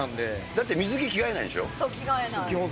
だって水着に着替えないんでしょ？